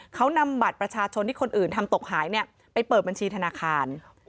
เขานำบัตรประชาชนที่คนอื่นทำตกหายไปเปิดบัญชีธนาคาร